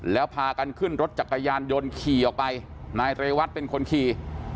แล้วพากันขึ้นรถจักรยานยนต์ขี่ออกไปนายเรวัตเป็นคนขี่